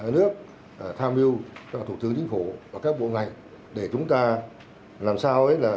nhà nước tham mưu cho thủ tướng chính phủ và các bộ ngành để chúng ta làm sao